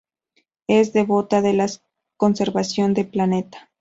Es devota de la conservación del planeta.